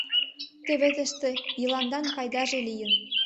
Теве тыште «Йыландан» пайдаже лийын.